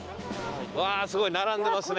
うわすごい並んでますね。